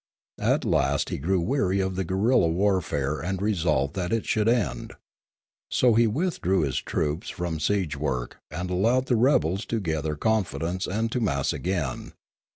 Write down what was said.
At last he grew weary of the guerrilla warfare and re solved that it should end. So he withdrew his troops from siege work and allowed the rebels to gather con fidence and to mass again.